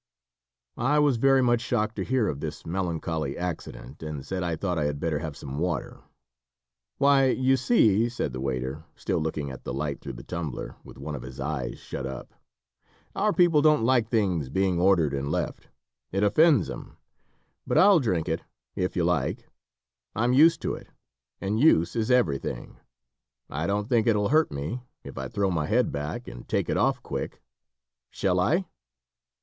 I was very much shocked to hear of this melancholy accident, and said I thought I had better have some water. "Why, you see," said the waiter, still looking at the light through the tumbler, with one of his eyes shut up, "our people don't like things being ordered and left. It offends 'em. But I'll drink it, if you like. I'm used to it, and use is everything. I don't think it'll hurt me, if I throw my head back, and take it off quick. Shall I?"